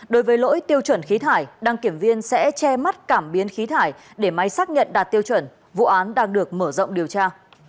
đối với lỗi tiêu chuẩn khí thải đăng kiểm viên sẽ che mắt cảm biến khí thải để máy xác nhận đạt tiêu chuẩn vụ án đang được mở rộng điều tra